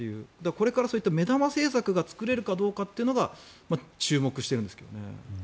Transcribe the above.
これからそういった目玉政策が作れるかどうかというのが注目してるんですけどね。